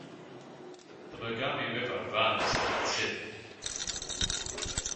The Mogami River runs through the city.